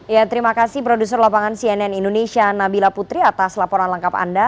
ya terima kasih produser lapangan cnn indonesia nabila putri atas laporan lengkap anda